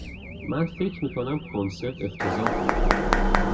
من فکر می کنم کنسرت افتضاح بود.